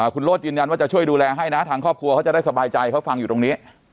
คุณโรธยืนยันว่าจะช่วยดูแลให้นะทางครอบครัวเขาจะได้สบายใจเขาฟังอยู่ตรงนี้